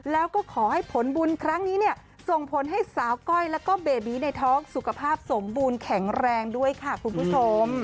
แล้วก็ขอให้ผลบุญครั้งนี้เนี่ยส่งผลให้สาวก้อยแล้วก็เบบีในท้องสุขภาพสมบูรณ์แข็งแรงด้วยค่ะคุณผู้ชม